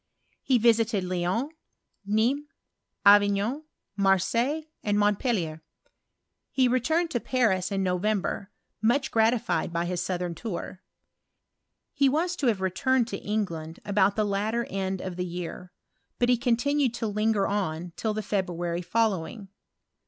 He visited Lyons, Nismes, Avignon, Marseilles, and Montpellier. He returned to Paris in November, much gratified by his southern tour. He was to have returned to England about the latter end of the year ; but he continued to linger on till the February following.